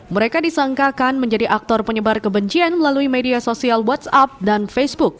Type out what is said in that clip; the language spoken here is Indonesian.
mereka disangkakan menjadi aktor penyebar kebencian melalui media sosial whatsapp dan facebook